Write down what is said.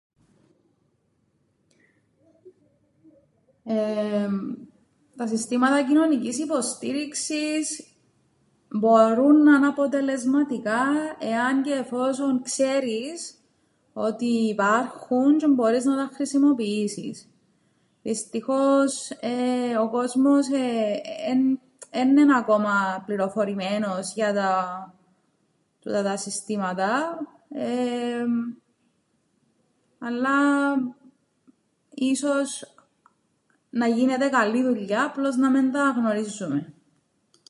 Εεεμ, τα συστήματα κοινωνικής υποστήριξης μπορούν να 'ν' αποτελεσματικά εάν και εφόσον ξέρεις ότι υπάρχουν τζ̆αι μπορείς να τα χρησιμοποιήσεις. Δυστυχώς ο κόσμος έννεν' ακόμα πληροφορημ΄ενος για τα- τούτα τα συστήματα αλλά ίσως να γίνεται καλή δουλειά απλώς να μεν τα γνωρίζουμεν.